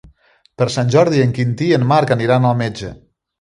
Per Sant Jordi en Quintí i en Marc aniran al metge.